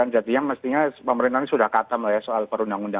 jadinya mestinya pemerintah ini sudah kata soal perundang undang